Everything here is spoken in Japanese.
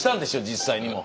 実際にも。